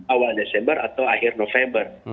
awal desember atau akhir november